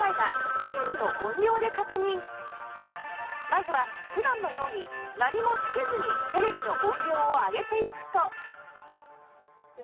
まずは普段のように何も着けずにテレビの音量を上げていくと